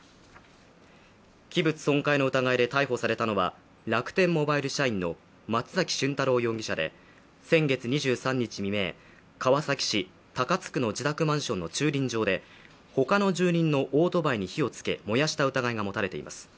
器物損壊の疑いで逮捕されたのは楽天モバイル社員の松崎峻太郎容疑者で先月２３日未明、川崎市高津区の自宅マンションの駐輪場で他の住人のオートバイに火を付け燃やした疑いが持たれています。